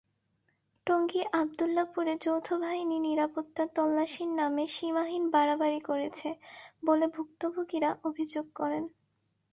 টঙ্গী-আবদুল্লাহপুরে যৌথ বাহিনী নিরাপত্তা তল্লাশির নামে সীমাহীন বাড়াবাড়ি করেছে বলে ভুক্তভোগীরা অভিযোগ করেন।